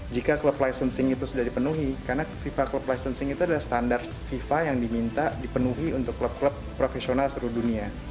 jika klub licensing itu sudah dipenuhi karena fifa club licensing itu adalah standar fifa yang diminta dipenuhi untuk klub klub profesional seluruh dunia